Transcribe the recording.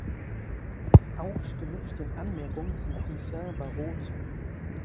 Auch stimme ich den Anmerkungen von Kommissar Barrot zu.